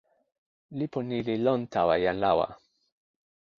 lipu ni li lon tawa jan lawa.